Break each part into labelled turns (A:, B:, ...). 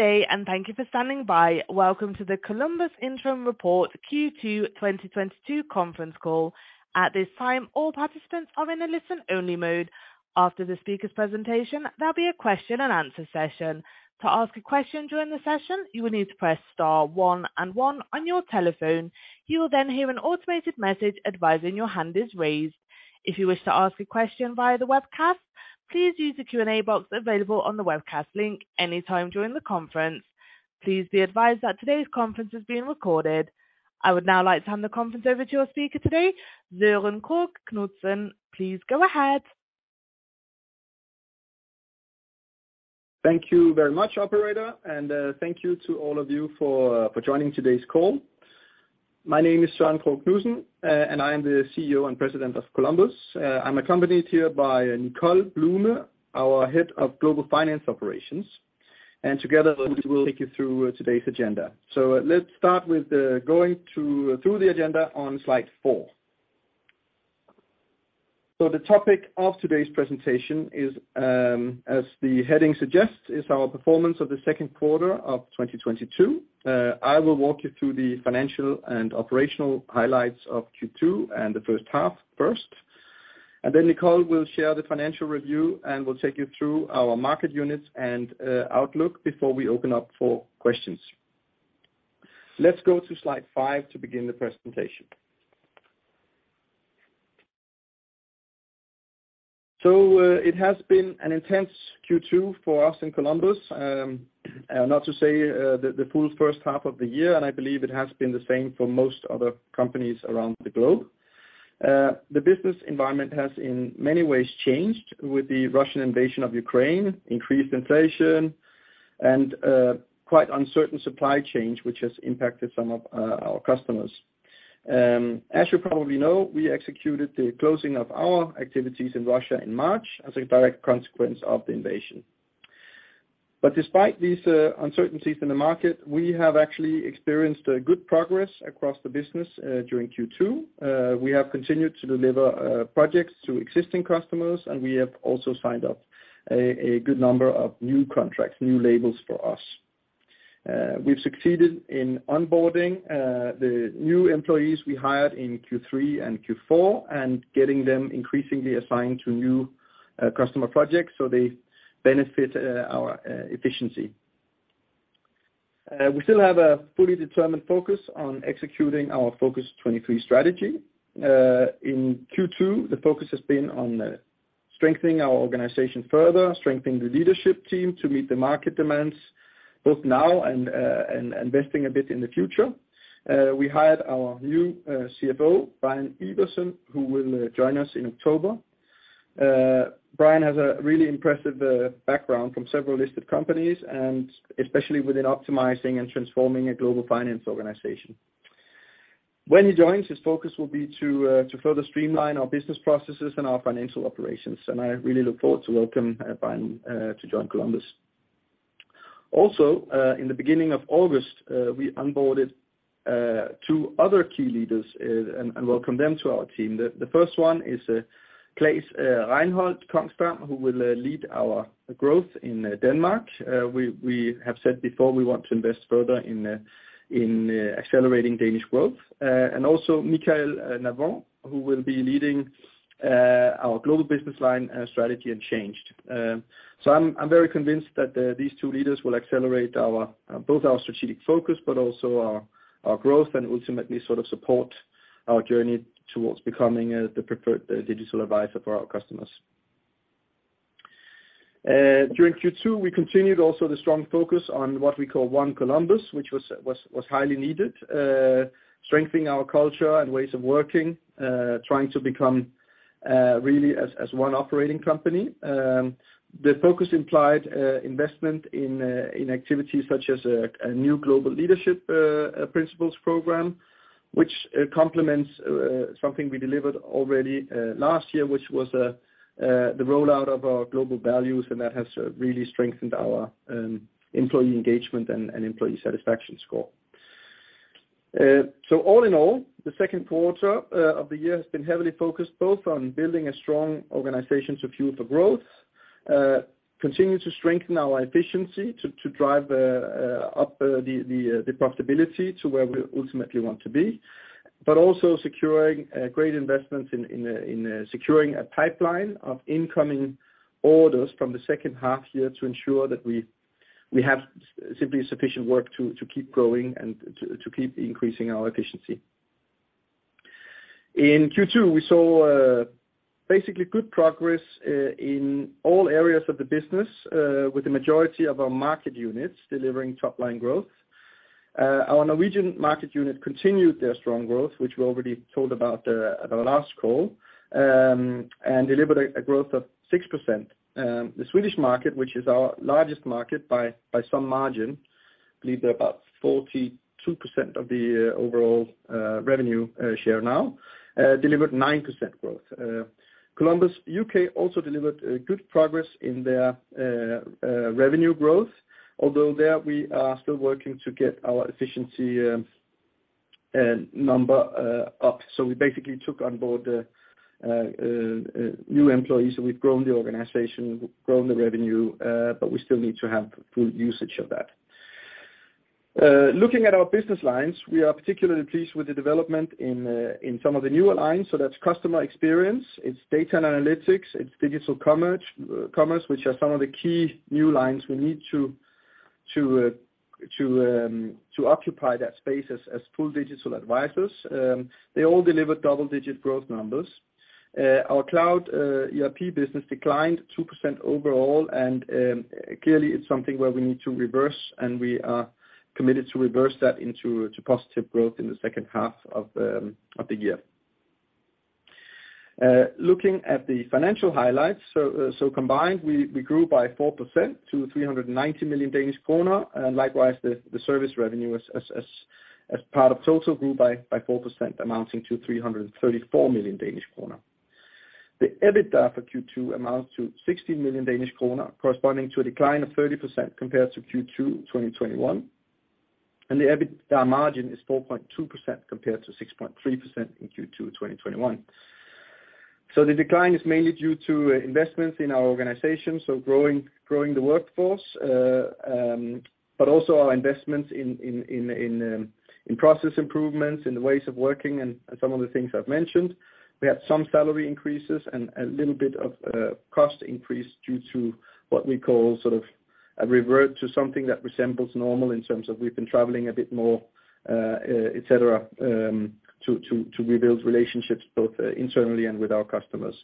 A: Good day, thank you for standing by. Welcome to the Columbus Interim Report Q2 2022 conference call. At this time, all participants are in a listen-only mode. After the speaker's presentation, there'll be a question and answer session. To ask a question during the session, you will need to press star one and one on your telephone. You will then hear an automated message advising your hand is raised. If you wish to ask a question via the webcast, please use the Q&A box available on the webcast link any time during the conference. Please be advised that today's conference is being recorded. I would now like to hand the conference over to our speaker today, Søren Krogh Knudsen. Please go ahead.
B: Thank you very much, operator, and thank you to all of you for joining today's call. My name is Søren Krogh Knudsen, and I am the CEO and President of Columbus. I'm accompanied here by Nicole Bluhme, our Head of Global Finance Operations, and together we will take you through today's agenda. Let's start with going through the agenda on slide four. The topic of today's presentation is, as the heading suggests, our performance of the second quarter of 2022. I will walk you through the financial and operational highlights of Q2 and the first half first, and then Nicole will share the financial review, and we'll take you through our market units and outlook before we open up for questions. Let's go to slide five to begin the presentation. It has been an intense Q2 for us in Columbus, not to say, the full first half of the year, and I believe it has been the same for most other companies around the globe. The business environment has in many ways changed with the Russian invasion of Ukraine, increased inflation and quite uncertain supply chains, which has impacted some of our customers. As you probably know, we executed the closing of our activities in Russia in March as a direct consequence of the invasion. Despite these uncertainties in the market, we have actually experienced a good progress across the business during Q2. We have continued to deliver projects to existing customers, and we have also signed up a good number of new contracts, new labels for us. We've succeeded in onboarding the new employees we hired in Q3 and Q4, and getting them increasingly assigned to new customer projects, so they benefit our efficiency. We still have a fully determined focus on executing our Focus23 strategy. In Q2, the focus has been on strengthening our organization further, strengthening the leadership team to meet the market demands both now and investing a bit in the future. We hired our new CFO, Brian Iversen, who will join us in October. Brian has a really impressive background from several listed companies, and especially within optimizing and transforming a global finance organization. When he joins, his focus will be to further streamline our business processes and our financial operations, and I really look forward to welcome Brian to join Columbus. Also, in the beginning of August, we onboarded two other key leaders and welcome them to our team. The first one is Claes Reinholdt Kongsdam, who will lead our growth in Denmark. We have said before we want to invest further in accelerating Danish growth. Also Michaël Navon, who will be leading our global business line, strategy and change. I'm very convinced that these two leaders will accelerate our both our strategic focus, but also our growth and ultimately sort of support our journey towards becoming the preferred digital advisor for our customers. During Q2, we continued also the strong focus on what we call One Columbus, which was highly needed, strengthening our culture and ways of working, trying to become really as one operating company. The focus implied investment in activities such as a new global leadership principles program, which complements something we delivered already last year, which was the rollout of our global values, and that has really strengthened our employee engagement and employee satisfaction score. All in all, the second quarter of the year has been heavily focused both on building a strong organization to fuel the growth, continue to strengthen our efficiency to drive up the profitability to where we ultimately want to be, but also securing great investments in securing a pipeline of incoming orders from the second half year to ensure that we have simply sufficient work to keep growing and to keep increasing our efficiency. In Q2, we saw basically good progress in all areas of the business with the majority of our market units delivering top-line growth. Our Norwegian market unit continued their strong growth, which we already told about at our last call, and delivered a growth of 6%. The Swedish market, which is our largest market by some margin, I believe they're about 42% of the overall revenue share now, delivered 9% growth. Columbus UK also delivered good progress in their revenue growth, although there we are still working to get our efficiency and number up. We basically took on board the new employees, so we've grown the organization, we've grown the revenue, but we still need to have full usage of that. Looking at our business lines, we are particularly pleased with the development in some of the newer lines. That's Customer Experience, it's Data and Analytics, it's Digital Commerce, which are some of the key new lines we need to occupy that space as full digital advisors. They all delivered double-digit growth numbers. Our Cloud ERP business declined 2% overall. Clearly it's something where we need to reverse, and we are committed to reverse that into positive growth in the second half of the year. Looking at the financial highlights. Combined, we grew by 4% to 390 million Danish kroner. Likewise, the service revenue as part of total grew by 4%, amounting to 334 million Danish krone. The EBITDA for Q2 amounts to 60 million Danish krone, corresponding to a decline of 30% compared to Q2 2021. The EBITDA margin is 4.2% compared to 6.3% in Q2 2021. The decline is mainly due to investments in our organization, so growing the workforce. But also our investments in process improvements, in the ways of working and some of the things I've mentioned. We had some salary increases and a little bit of cost increase due to what we call sort of a revert to something that resembles normal in terms of we've been traveling a bit more, et cetera, to rebuild relationships both internally and with our customers.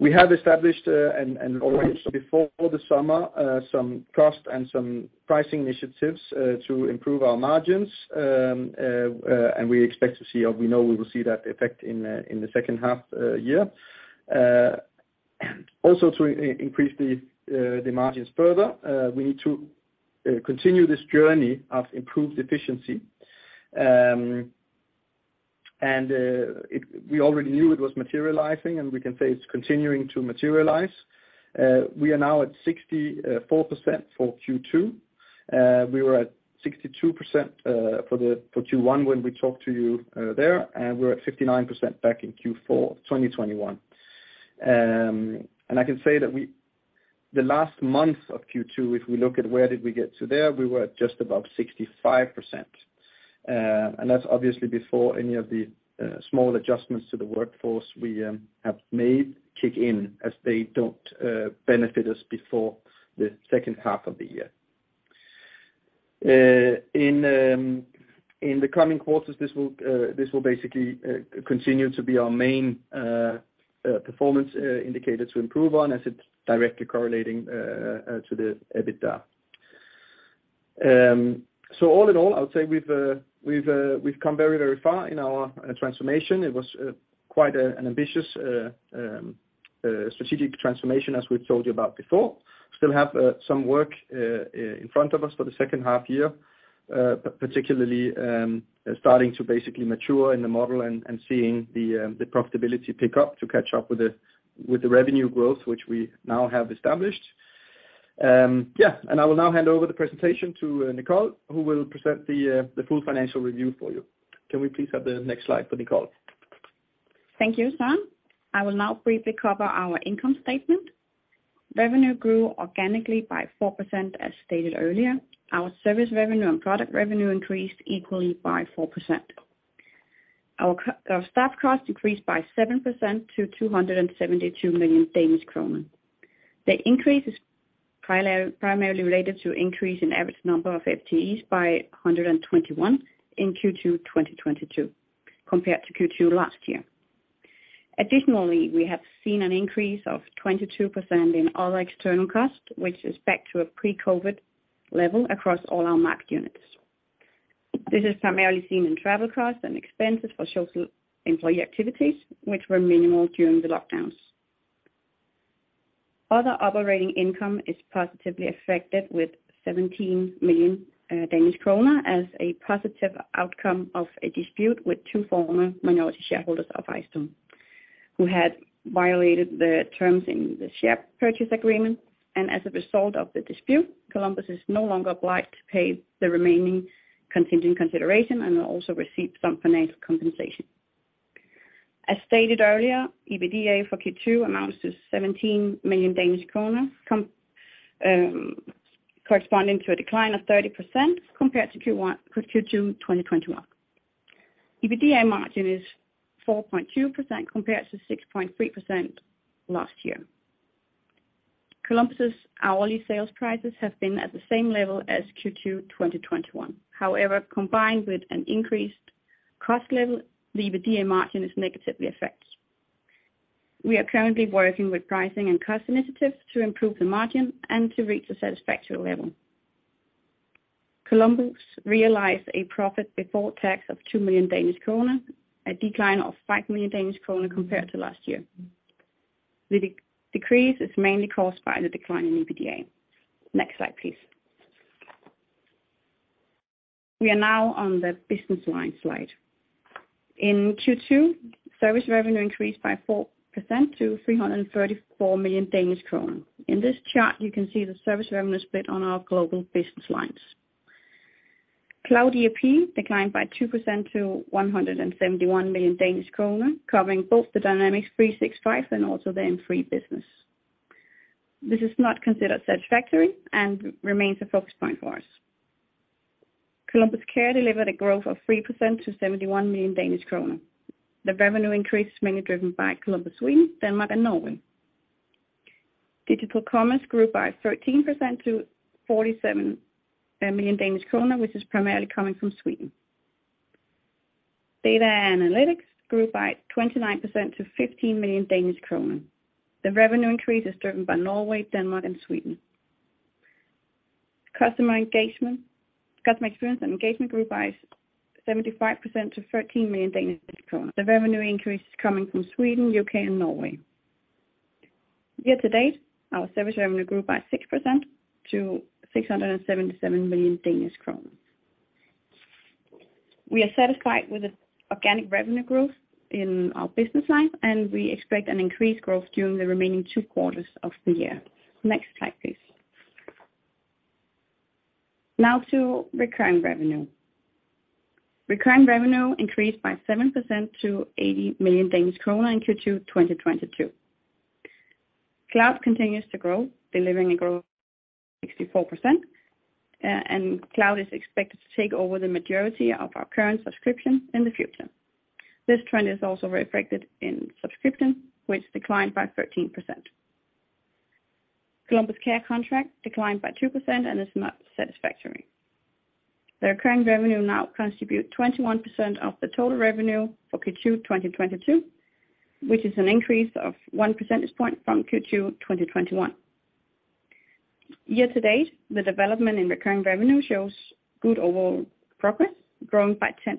B: We have established and already before the summer some cost and some pricing initiatives to improve our margins. And we expect to see, or we know we will see that effect in the second half year. Also, to increase the margins further, we need to continue this journey of improved efficiency. We already knew it was materializing, and we can say it's continuing to materialize. We are now at 64% for Q2. We were at 62% for Q1 when we talked to you there, and we were at 59% back in Q4 2021. I can say that the last month of Q2, if we look at where did we get to there, we were at just above 65%. That's obviously before any of the small adjustments to the workforce we have made kick in, as they don't benefit us before the second half of the year. In the coming quarters, this will basically continue to be our main performance indicator to improve on as it's directly correlating to the EBITDA. So all in all, I would say we've come very, very far in our transformation. It was quite an ambitious strategic transformation, as we've told you about before. Still have some work in front of us for the second half year, particularly starting to basically mature in the model and seeing the profitability pick up to catch up with the revenue growth which we now have established. I will now hand over the presentation to Nicole, who will present the full financial review for you. Can we please have the next slide for Nicole?
C: Thank you, Søren. I will now briefly cover our income statement. Revenue grew organically by 4%, as stated earlier. Our service revenue and product revenue increased equally by 4%. Our staff costs increased by 7% to 272 million Danish kroner. The increase is primarily related to increase in average number of FTEs by 121 in Q2 2022, compared to Q2 last year. Additionally, we have seen an increase of 22% in all external costs, which is back to a pre-COVID level across all our market units. This is primarily seen in travel costs and expenses for social employee activities, which were minimal during the lockdowns. Other operating income is positively affected with 17 million Danish kroner as a positive outcome of a dispute with two former minority shareholders of Hestum, who had violated the terms in the share purchase agreement. As a result of the dispute, Columbus is no longer obliged to pay the remaining contingent consideration and will also receive some financial compensation. As stated earlier, EBITDA for Q2 amounts to 17 million Danish kroner, corresponding to a decline of 30% compared to Q2 2021. EBITDA margin is 4.2% compared to 6.3% last year. Columbus' hourly sales prices have been at the same level as Q2 2021. However, combined with an increased cost level, the EBITDA margin is negatively affected. We are currently working with pricing and cost initiatives to improve the margin and to reach a satisfactory level. Columbus realized a profit before tax of 2 million Danish kroner, a decline of 5 million Danish kroner compared to last year. The decrease is mainly caused by the decline in EBITDA. Next slide, please. We are now on the business line slide. In Q2, service revenue increased by 4% to 334 million. In this chart, you can see the service revenue split on our global business lines. Cloud ERP declined by 2% to 171 million Danish kroner, covering both the Dynamics 365 and also the M3 Business. This is not considered satisfactory and remains a focus point for us. Columbus Care delivered a growth of 3% to 71 million Danish kroner. The revenue increase is mainly driven by Columbus Sweden, Denmark, and Norway. Digital Commerce grew by 13% to 47 million Danish kroner, which is primarily coming from Sweden. Data Analytics grew by 29% to 15 million Danish kroner. The revenue increase is driven by Norway, Denmark, and Sweden. Customer Experience & Engagement grew by 75% to 13 million Danish kroner. The revenue increase is coming from Sweden, U.K., and Norway. Year to date, our service revenue grew by 6% to 677 million Danish kroner. We are satisfied with the organic revenue growth in our business line, and we expect an increased growth during the remaining two quarters of the year. Next slide, please. Now to recurring revenue. Recurring revenue increased by 7% to 80 million Danish kroner in Q2 2022. Cloud continues to grow, delivering a growth of 64%, and cloud is expected to take over the majority of our current subscription in the future. This trend is also reflected in subscription, which declined by 13%. Columbus Care contract declined by 2% and is not satisfactory. The recurring revenue now contribute 21% of the total revenue for Q2 2022, which is an increase of one percentage point from Q2 2021. Year to date, the development in recurring revenue shows good overall progress, growing by 10%.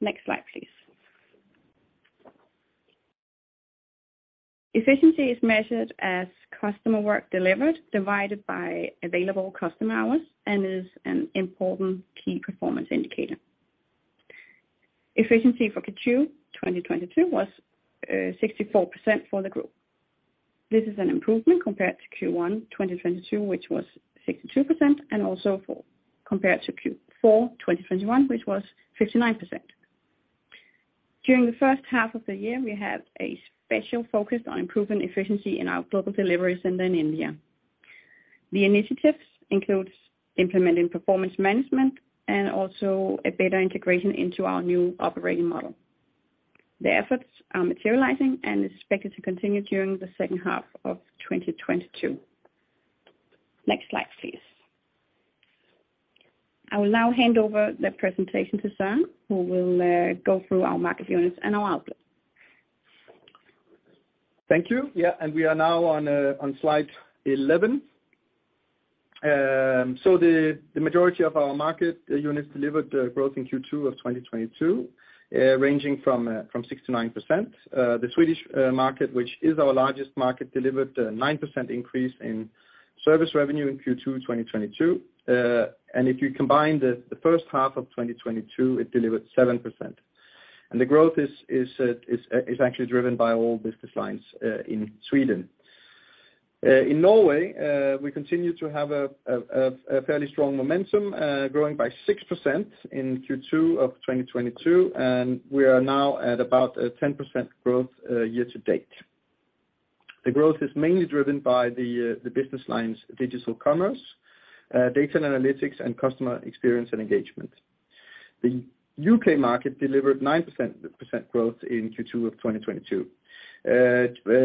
C: Next slide, please. Efficiency is measured as customer work delivered divided by available customer hours, and is an important key performance indicator. Efficiency for Q2 2022 was 64% for the group. This is an improvement compared to Q1 2022, which was 62%, and also compared to Q4 2021, which was 59%. During the first half of the year, we have a special focus on improving efficiency in our global delivery center in India. The initiatives includes implementing performance management and also a better integration into our new operating model. The efforts are materializing and is expected to continue during the second half of 2022. Next slide, please. I will now hand over the presentation to Søren, who will go through our market units and our outlook.
B: Thank you. Yeah, we are now on slide 11. The majority of our market units delivered growth in Q2 of 2022, ranging from 6%-9%. The Swedish market, which is our largest market, delivered a 9% increase in service revenue in Q2 2022. If you combine the first half of 2022, it delivered 7%. The growth actually is driven by all business lines in Sweden. In Norway, we continue to have a fairly strong momentum, growing by 6% in Q2 of 2022, and we are now at about a 10% growth year to date. The growth is mainly driven by the business lines Digital Commerce, Data & Analytics, and Customer Experience & Engagement. The UK market delivered 9% growth in Q2 of 2022,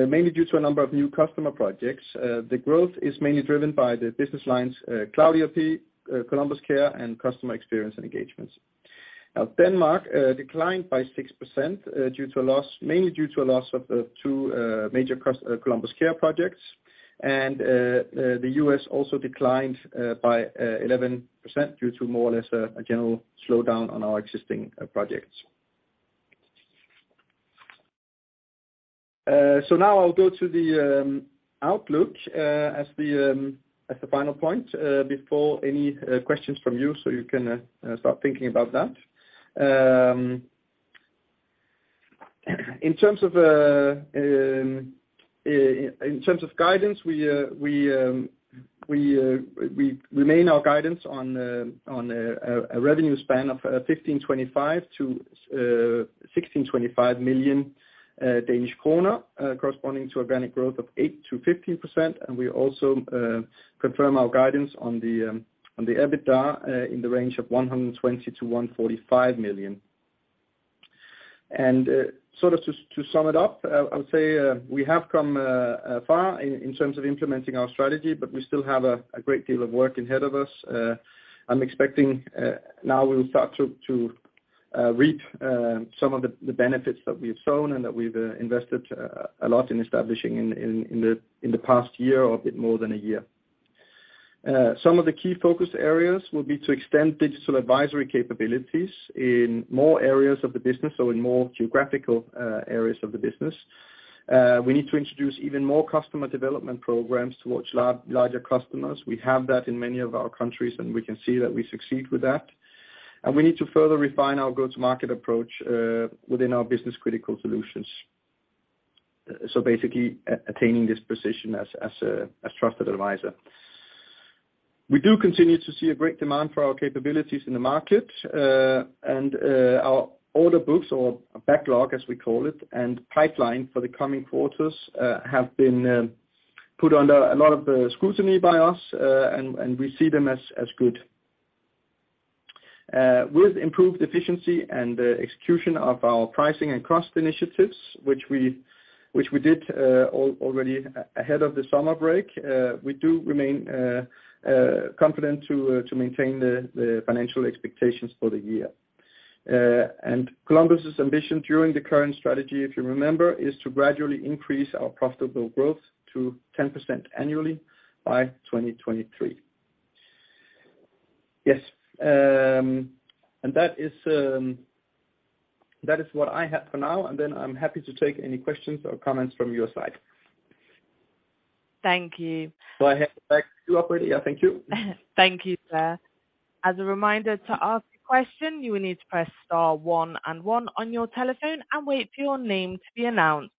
B: mainly due to a number of new customer projects. The growth is mainly driven by the business lines Cloud ERP, Columbus Care, and Customer Experience & Engagement. Now, Denmark declined by 6%, mainly due to a loss of two major Columbus Care projects. The US also declined by 11% due to more or less a general slowdown on our existing projects. So now I'll go to the outlook as the final point before any questions from you, so you can start thinking about that. In terms of guidance, we maintain our guidance on a revenue span of 152.5 million-162.5 million Danish kroner, corresponding to organic growth of 8%-15%. We also confirm our guidance on the EBITDA in the range of 120 million-145 million. Just to sum it up, I would say we have come far in terms of implementing our strategy, but we still have a great deal of work ahead of us. I'm expecting now we'll start to reap some of the benefits that we've sown, and that we've invested a lot in establishing in the past year or a bit more than a year. Some of the key focus areas will be to extend digital advisory capabilities in more areas of the business, so in more geographical areas of the business. We need to introduce even more customer development programs towards larger customers. We have that in many of our countries, and we can see that we succeed with that. We need to further refine our go-to-market approach within our business-critical solutions. Basically attaining this position as a trusted advisor. We do continue to see a great demand for our capabilities in the market. Our order books or backlog, as we call it, and pipeline for the coming quarters have been put under a lot of scrutiny by us, and we see them as good. With improved efficiency and execution of our pricing and cost initiatives, which we did already ahead of the summer break, we do remain confident to maintain the financial expectations for the year. Columbus' ambition during the current strategy, if you remember, is to gradually increase our profitable growth to 10% annually by 2023. Yes. That is what I have for now and then I'm happy to take any questions or comments from your side.
A: Thank you.
B: I hand it back to you, operator. Thank you.
A: Thank you, sir. As a reminder, to ask a question, you will need to press star one and one on your telephone and wait for your name to be announced.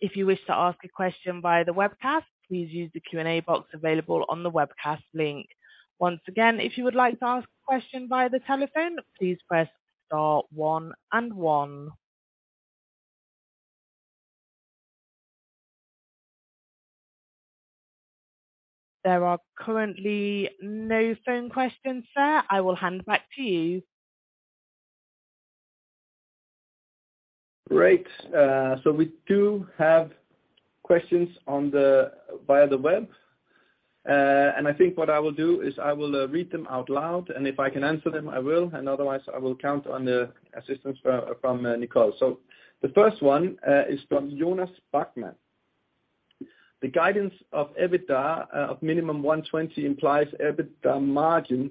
A: If you wish to ask a question via the webcast, please use the Q&A box available on the webcast link. Once again, if you would like to ask a question via the telephone, please press star one and one. There are currently no phone questions, sir. I will hand it back to you.
B: Great. We do have questions via the web. I think what I will do is I will read them out loud, and if I can answer them, I will. Otherwise, I will count on the assistance from Nicole. The first one is from Jonas Bachmann. The guidance of EBITDA of minimum 120 implies EBITDA margin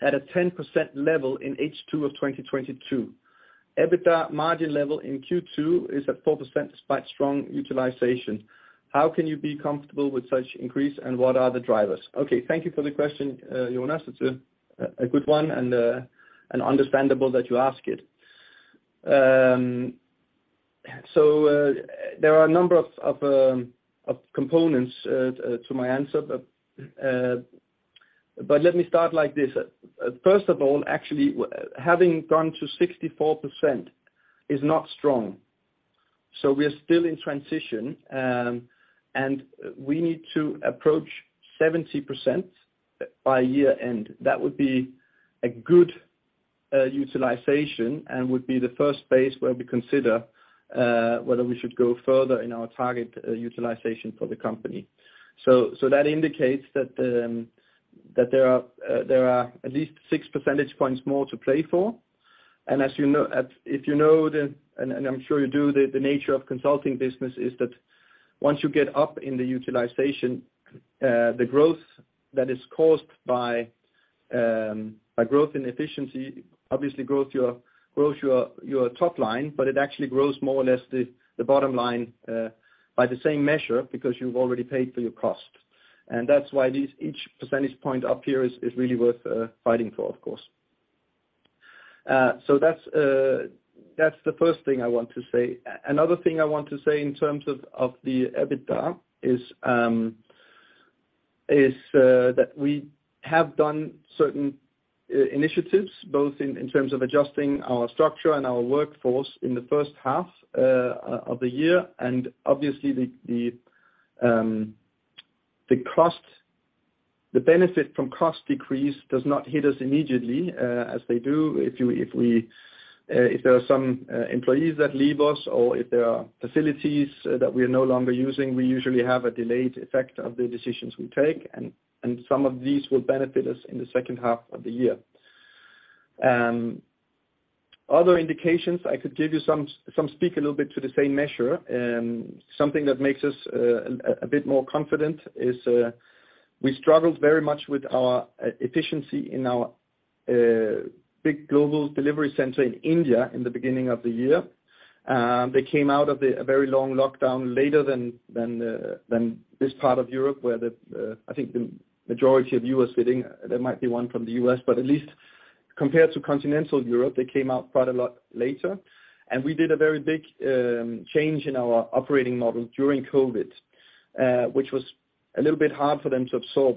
B: at a 10% level in H2 of 2022. EBITDA margin level in Q2 is at 4% despite strong utilization. How can you be comfortable with such increase, and what are the drivers? Okay, thank you for the question, Jonas. It's a good one and understandable that you ask it. There are a number of components to my answer. Let me start like this. First of all, actually, having gone to 64% is not strong. We are still in transition, and we need to approach 70% by year-end. That would be a good utilization and would be the first phase where we consider whether we should go further in our target utilization for the company. That indicates that there are at least six percentage points more to play for. As you know, I'm sure you do, the nature of the consulting business is that once you get up in the utilization, the growth that is caused by growth and efficiency obviously grows your top line, but it actually grows more or less the bottom line by the same measure because you've already paid for your cost. That's why each percentage point up here is really worth fighting for, of course. That's the first thing I want to say. Another thing I want to say in terms of the EBITDA is that we have done certain initiatives, both in terms of adjusting our structure and our workforce in the first half of the year. Obviously the cost benefit from cost decrease does not hit us immediately, as they do if there are some employees that leave us or if there are facilities that we are no longer using. We usually have a delayed effect of the decisions we take. Some of these will benefit us in the second half of the year. Other indications I could give you. Some speak a little bit to the same measure. Something that makes us a bit more confident is we struggled very much with our efficiency in our big global delivery center in India in the beginning of the year. They came out of a very long lockdown later than this part of Europe, where I think the majority of you are sitting. There might be one from the U.S., but at least compared to continental Europe, they came out quite a lot later. We did a very big change in our operating model during COVID, which was a little bit hard for them to absorb.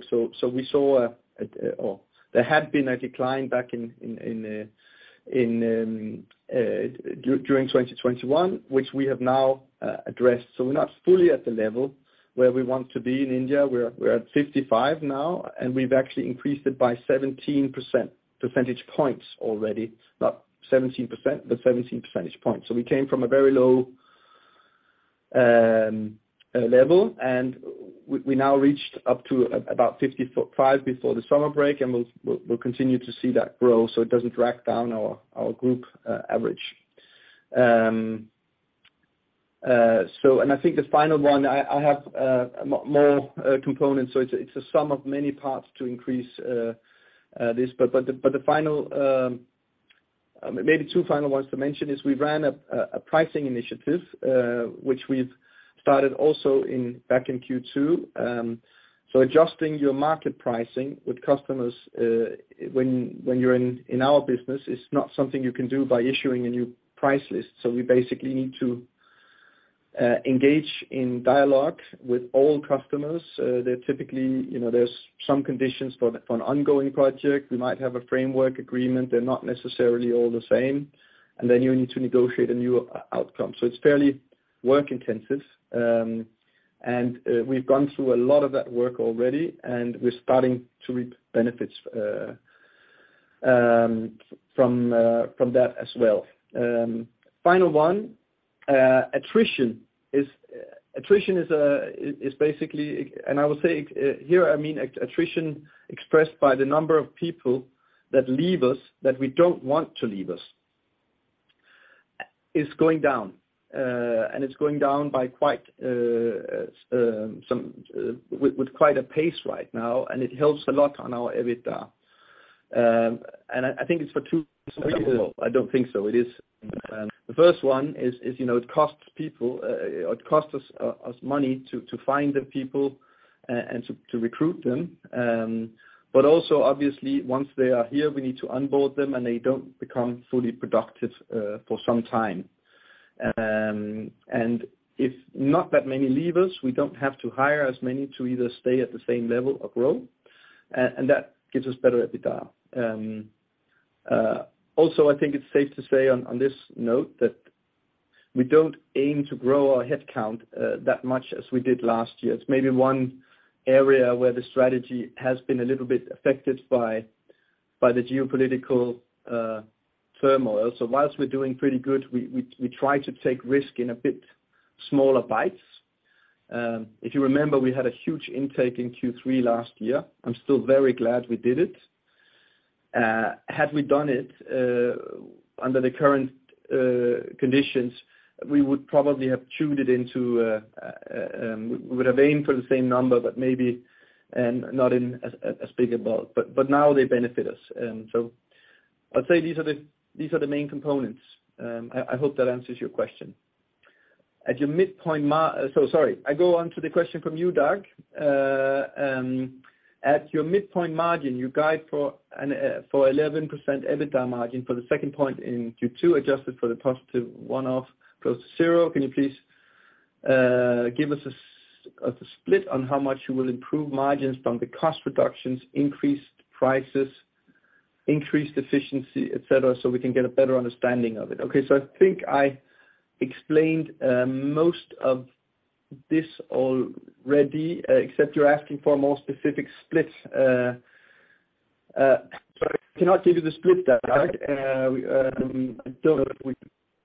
B: There had been a decline back in 2021, which we have now addressed. We're not fully at the level where we want to be in India. We're at 55 now, and we've actually increased it by 17 percentage points already. Not 17%, but 17 percentage points. We came from a very low level, and we now reached up to about 55 before the summer break, and we'll continue to see that grow, so it doesn't drag down our group average. I think the final one I have more components, so it's a sum of many parts to increase this. The final maybe two final ones to mention is we ran a pricing initiative, which we've started also back in Q2. Adjusting your market pricing with customers when you're in our business is not something you can do by issuing a new price list. We basically need to engage in dialogue with all customers. They're typically, you know, there's some conditions for an ongoing project. We might have a framework agreement. They're not necessarily all the same. Then you need to negotiate a new outcome. It's fairly work intensive. We've gone through a lot of that work already, and we're starting to reap benefits from that as well. Final one, attrition is basically. I will say here, I mean, attrition expressed by the number of people that leave us, that we don't want to leave us, is going down. It's going down by quite some with quite a pace right now, and it helps a lot on our EBITDA. I think it's for two reasons. I don't think so. It is. The first one is, you know, it costs us money to find the people and to recruit them. Also obviously once they are here, we need to onboard them, and they don't become fully productive for some time. If not that many leavers, we don't have to hire as many to either stay at the same level or grow, and that gives us better EBITDA. Also, I think it's safe to say on this note that we don't aim to grow our headcount that much as we did last year. It's maybe one area where the strategy has been a little bit affected by the geopolitical turmoil. While we're doing pretty good, we try to take risk in a bit smaller bites. If you remember, we had a huge intake in Q3 last year. I'm still very glad we did it. Had we done it under the current conditions, we would probably have aimed for the same number, but maybe not in as big a bulk. Now they benefit us. I'd say these are the main components. I hope that answers your question. Sorry. I'll go on to the question from you, Doug. At your midpoint margin, you guide for 11% EBITDA margin for the second point in Q2, adjusted for the positive one-off close to zero. Can you please give us a split on how much you will improve margins from the cost reductions, increased prices, increased efficiency, et cetera, so we can get a better understanding of it? I think I explained most of this already, except you're asking for a more specific split. I cannot give you the split, Doug. I don't know if we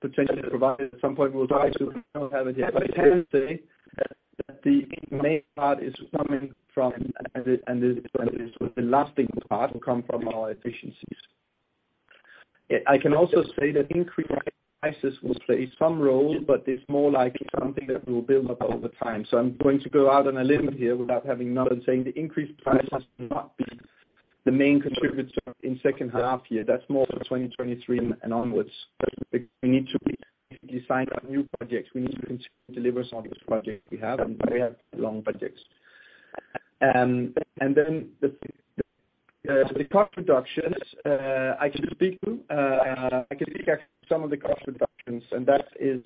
B: potentially provide it at some point. We'll try to. I don't have it yet. I can say that the main part is coming from and the lasting part will come from our efficiencies. I can also say that increased prices will play some role, but it's more likely something that will build up over time. I'm going to go out on a limb here without having numbers, and saying the increased price has not been the main contributor in second half year. That's more for 2023 and onwards. We need to be lining up new projects. We need to continue to deliver some of these projects we have, and they are long projects. I can speak to some of the cost reductions, and that is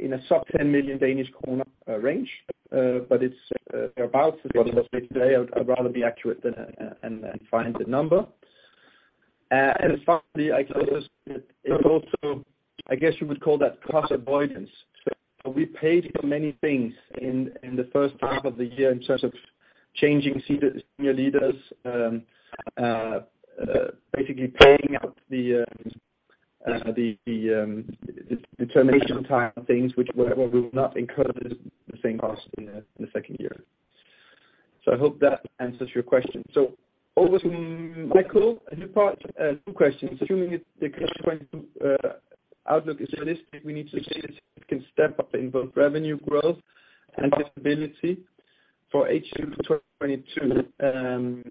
B: in a sub 10 million Danish kroner range, but it's about what I said today. I'd rather be accurate than guess the number. Finally, I can also. I guess you would call that cost avoidance. We paid for many things in the first half of the year in terms of changing senior leaders, basically paying out the termination type of things, which we're not incurring the same cost in the second year. I hope that answers your question. Over to Michael. A new part, two questions. Assuming the 2022 outlook is realistic, we need to see if it can step up in both revenue growth and profitability for H2 2022.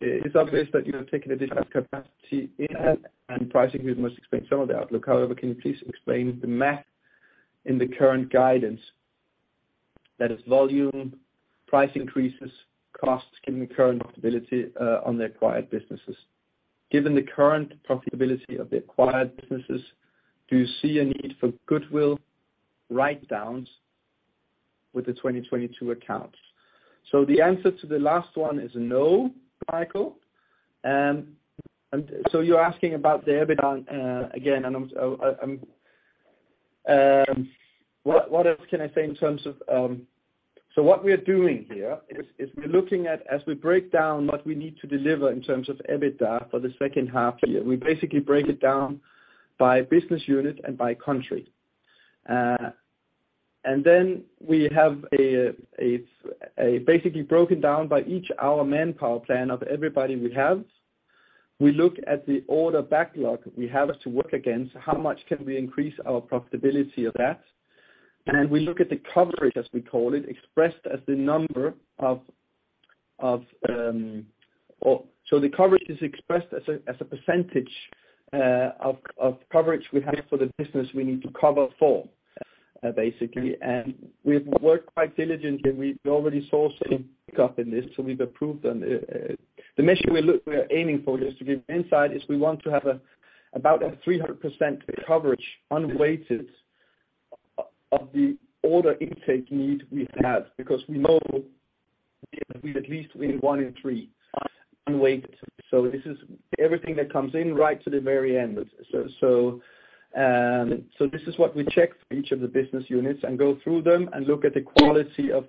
B: It's obvious that you are taking additional capacity in and pricing is the most expensive part of the outlook. However, can you please explain the math in the current guidance? That is volume, price increases, costs given the current profitability on the acquired businesses. Given the current profitability of the acquired businesses, do you see a need for goodwill write-downs with the 2022 accounts? The answer to the last one is no, Michael. You're asking about the EBITDA again. What else can I say in terms of what we are doing here? We're looking at, as we break down what we need to deliver in terms of EBITDA for the second half year. We basically break it down by business unit and by country. Then we have basically broken down by each hour manpower plan of everybody we have. We look at the order backlog we have to work against, how much can we increase our profitability of that? We look at the coverage, as we call it, expressed as the number of or so the coverage is expressed as a percentage of coverage we have for the business we need to cover for, basically. We've worked quite diligently. We've already saw some pick up in this, so we've improved on it. The measure we are aiming for is to give insight, is we want to have about a 300% coverage unweighted of the order intake need we have. Because we know we at least win 1/3 unweighted. This is everything that comes in right to the very end. This is what we check for each of the business units and go through them and look at the quality of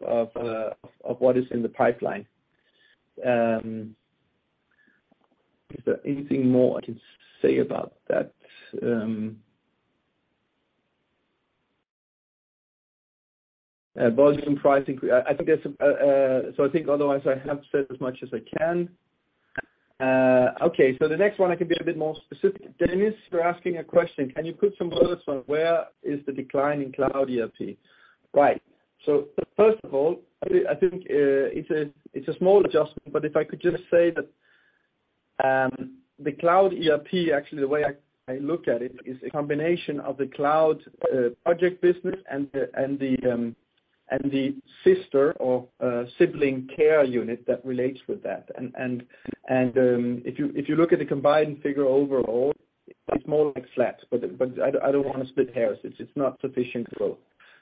B: what is in the pipeline. Is there anything more I can say about that? Volume pricing. I think otherwise I have said as much as I can. Okay, the next one I can be a bit more specific. Dennis, you're asking a question. Can you put some numbers from where is the decline in Cloud ERP? Right. First of all, I think it's a small adjustment, but if I could just say that, the Cloud ERP actually the way I look at it is a combination of the cloud project business and the sister of sibling care unit that relates with that. If you look at the combined figure overall, it's more like flat. I don't wanna split hairs. It's not sufficient growth.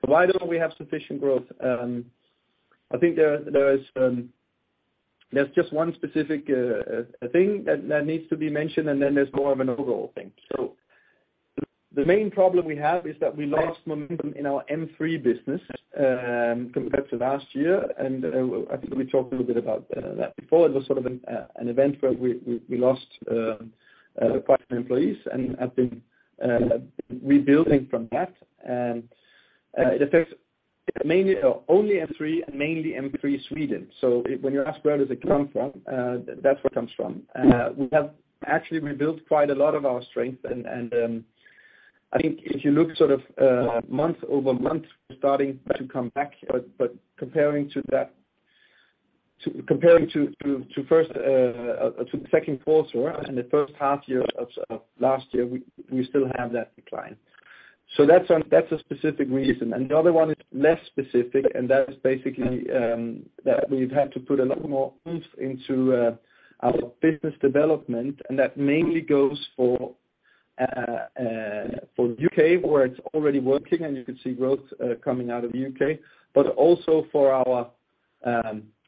B: Why don't we have sufficient growth? I think there's just one specific thing that needs to be mentioned, and then there's more of an overall thing. The main problem we have is that we lost momentum in our M3 business compared to last year. I think we talked a little bit about that before. It was sort of an event where we lost five employees and have been rebuilding from that. It affects mainly only M3 and mainly M3 Sweden. When you ask where does it come from, that's where it comes from. We have actually rebuilt quite a lot of our strength and I think if you look sort of month-over-month, we're starting to come back. Comparing to the second quarter and the first half year of last year, we still have that decline. That's a specific reason. Another one is less specific, and that is basically that we've had to put a lot more oomph into our business development, and that mainly goes for U.K., where it's already working and you can see growth coming out of U.K., but also for our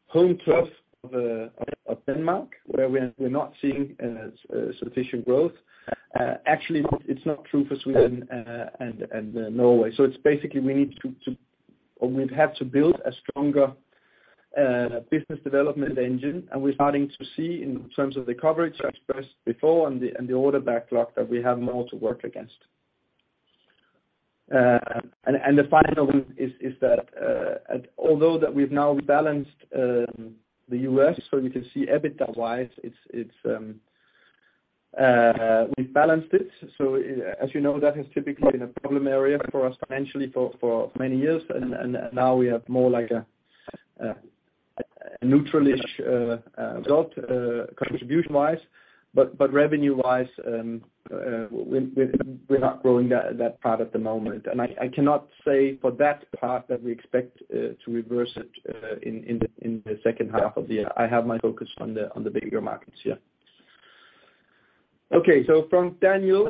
B: home turf of Denmark, where we're not seeing sufficient growth. Actually, it's not true for Sweden and Norway. It's basically we need to or we'd have to build a stronger business development engine, and we're starting to see in terms of the coverage I expressed before and the order backlog that we have more to work against. The final one is that although we've now balanced the U.S., so you can see EBITDA wise, we've balanced it. As you know, that has typically been a problem area for us financially for many years. Now we have more like a neutral-ish result contribution wise, but revenue wise, we're not growing that part at the moment. I cannot say for that part that we expect to reverse it in the second half of the year. I have my focus on the bigger markets. Okay. From Daniel,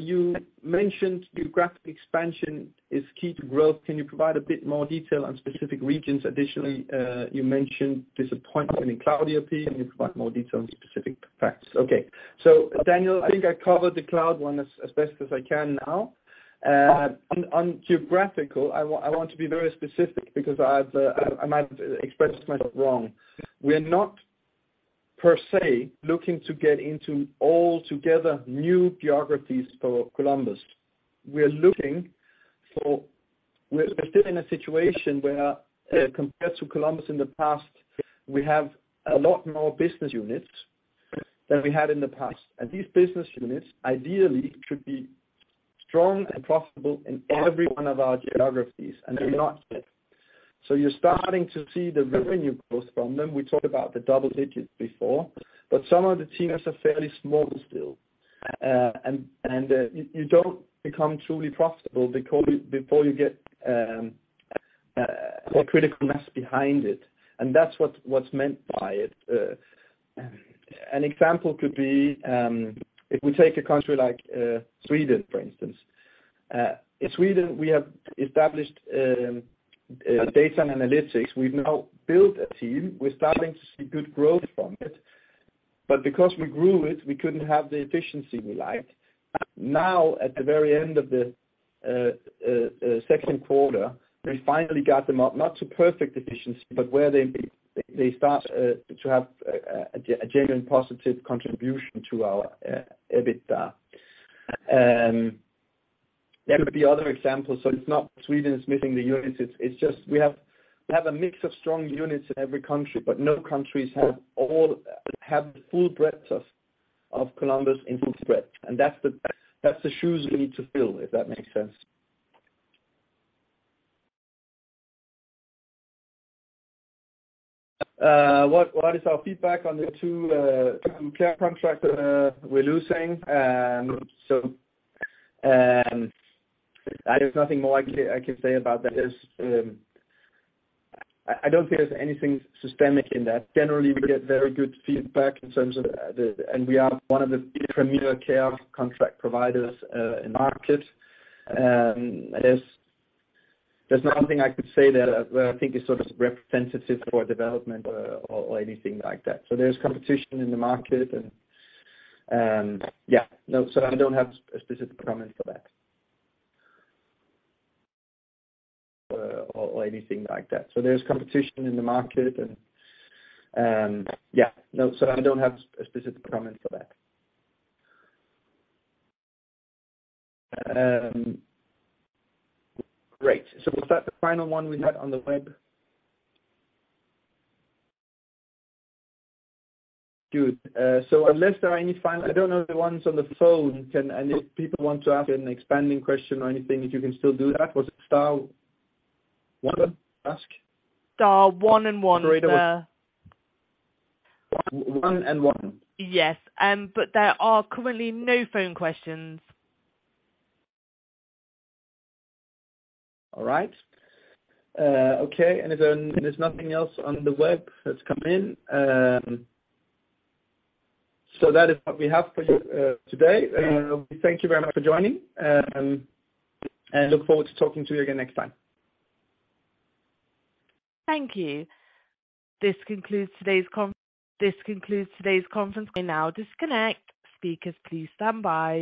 B: you mentioned geographic expansion is key to growth. Can you provide a bit more detail on specific regions? Additionally, you mentioned disappointment in Cloud ERP. Can you provide more detail on the specific facts? Okay. Daniel, I think I covered the cloud one as best as I can now. On geographical, I want to be very specific because I might express myself wrong. We're not, per se, looking to get into altogether new geographies for Columbus. We are looking for. We're still in a situation where, compared to Columbus in the past, we have a lot more business units than we had in the past. These business units ideally should be strong and profitable in every one of our geographies, and they're not yet. You're starting to see the revenue growth from them. We talked about the double digits before, but some of the teams are fairly small still. You don't become truly profitable before you get a critical mass behind it. That's what's meant by it. An example could be if we take a country like Sweden, for instance. In Sweden, we have established Data and Analytics. We've now built a team. We're starting to see good growth from it. Because we grew it, we couldn't have the efficiency we liked. Now, at the very end of the second quarter, we finally got them up, not to perfect efficiency, but where they start to have a genuine positive contribution to our EBITDA. There could be other examples. It's not Sweden is missing the units. It's just we have a mix of strong units in every country, but no countries have the full breadth of Columbus end-to-end spread. That's the shoes we need to fill, if that makes sense. What is our feedback on the two care contracts we're losing? There's nothing more I can say about that. I don't feel there's anything systemic in that. We are one of the premier care contract providers in market. There's nothing I could say where I think is sort of representative for development or anything like that. There's competition in the market. Yeah. No. I don't have a specific comment for that. Or anything like that. There's competition in the market and. Yeah. No. I don't have a specific comment for that. Great. We'll start the final one we had on the web. Good. Unless there are any final. I don't know if the ones on the phone can. If people want to ask an expanding question or anything, if you can still do that. Was it star one ask?
A: Star one and one, sir.
B: One and one?
A: Yes. There are currently no phone questions.
B: All right. If there's nothing else on the web that's come in, that is what we have for you today. Thank you very much for joining, and look forward to talking to you again next time.
A: Thank you. This concludes today's conference. You may now disconnect. Speakers, please stand by.